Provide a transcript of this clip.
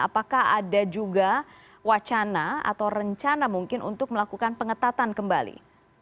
apakah ada juga wacana atau rencana mungkin untuk melakukan pengetatan kembali